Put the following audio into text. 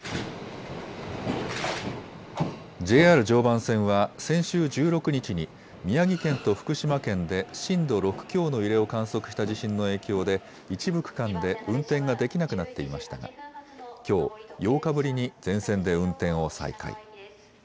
ＪＲ常磐線は先週１６日に宮城県と福島県で震度６強の揺れを観測した地震の影響で一部区間で運転ができなくなっていましたがきょう８日ぶりに全線で運転を再開。